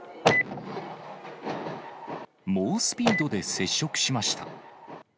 猛スピードで接触しました。